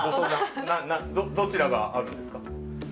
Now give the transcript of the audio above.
どちらがあるんですか？